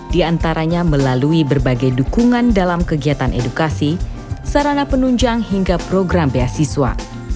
di antaranya melalui berbagai dukungan dalam kegiatan edukasi sarana penunjang hingga program beasiswa